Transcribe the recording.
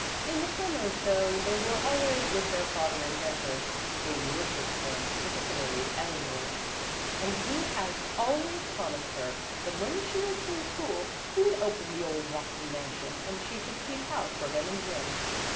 In the summers, though, they were always with their father in Denver. They worshiped him, particularly Eleanor, and he has always promised her that when she was through school he would open the old Watson mansion and she should keep house for him and Jim.